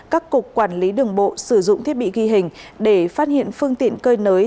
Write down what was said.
các cục quản lý đường bộ sử dụng thiết bị ghi hình để phát hiện phương tiện cơi nới